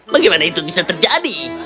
bagaimana itu bisa terjadi